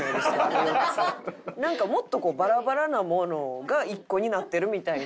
なんかもっとこうバラバラなものが１個になってるみたいな。